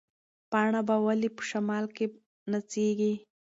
پاڼه به ولې په شمال کې نڅېږي؟